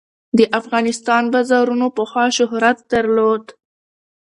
د افغانستان بازارونو پخوا شهرت درلود.